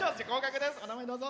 お名前、どうぞ。